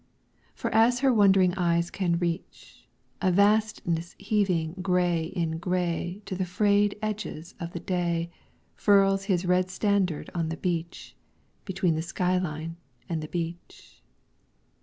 Far as her wondering eyes can reach, A vastness heaving gray in gray To the frayed edges of the day Furls his red standard on the breach Between the sky line and the beach.